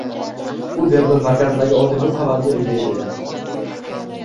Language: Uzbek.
U Berlin markazidagi oddiy ko'p qavatli uyda yashaydi